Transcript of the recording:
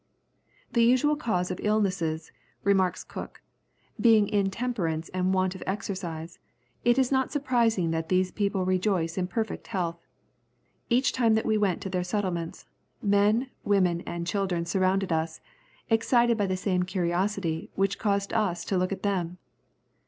"The usual cause of illnesses," remarks Cook, "being intemperance and want of exercise, it is not surprising that these people rejoice in perfect health. Each time that we went to their settlements, men, women, and children surrounded us, excited by the same curiosity which caused us to look at them.